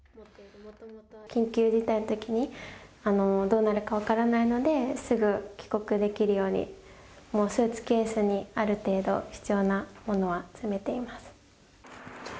緊急事態のときに、どうなるか分からないので、すぐ帰国できるように、もうスーツケースにある程度、必要なものは詰めています。